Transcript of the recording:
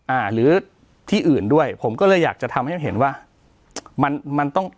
หรือที่อื่นด้วยผมก็เลยอยากจะทำให้เห็นว่ามันมันต้อง